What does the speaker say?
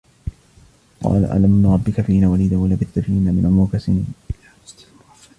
قال ألم نربك فينا وليدا ولبثت فينا من عمرك سنين